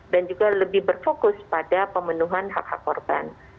dan juga lebih berfokus pada pemenuhan hak hak korban